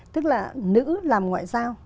tức là nữ làm ngoại giao